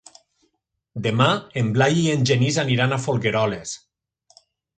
Demà en Blai i en Genís aniran a Folgueroles.